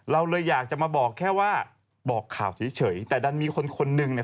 เราเลยอยากจะมาบอกแค่ว่าบอกข่าวเฉยแต่ดันมีคนคนหนึ่งเนี่ย